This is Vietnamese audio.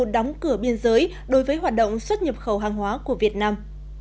đóng cửa biên giới đối với hoạt động xuất nhập khẩu hàng hóa của việt nam